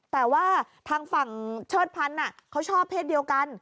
แต่ว่าทางฝั่งเชิดพันธุ์เขาชอบเพศเดียวกัน